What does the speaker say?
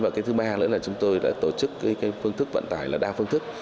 và thứ ba nữa là chúng tôi đã tổ chức phương thức vận tải là đa phương thức